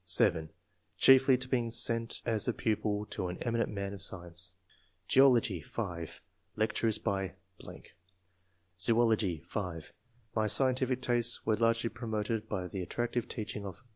^.^^{7) Chiefly to being sent as a pupil to an eminent man of science. . Geology. — (5) Lectures by .... Zoology. — (5) My scientific tastes were largely promoted by the attractive teaching of